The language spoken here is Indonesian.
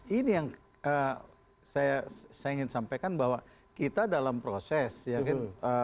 ini yang saya ingin sampaikan bahwa kita dalam proses ya kan